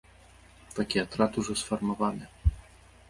Такі атрад ужо сфармаваны.